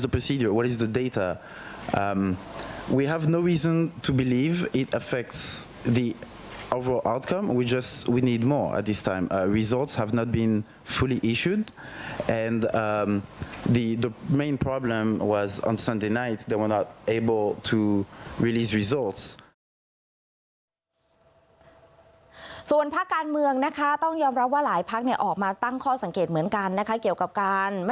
เพราะฉะนั้นปัจจุบันที่สุดคือวันสันดีนายท์